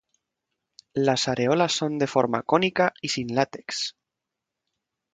Las areolas son de forma cónica y sin látex.